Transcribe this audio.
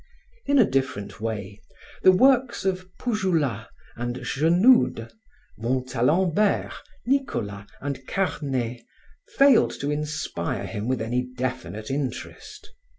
In a different way, the works of Poujoulat and Genoude, Montalembert, Nicolas and Carne failed to inspire him with any definite interest.